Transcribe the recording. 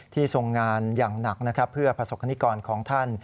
ที่ทรงงานอย่างหนักเพื่อประสบคณิกรของท่าน